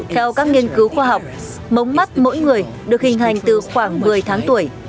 theo các nghiên cứu khoa học mống mắt mỗi người được hình hành từ khoảng một mươi tháng tuổi